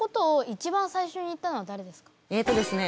えっとですね